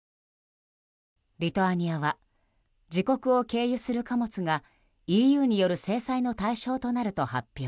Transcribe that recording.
リトアニアは自国を経由する貨物がＥＵによる制裁の対象になると発表。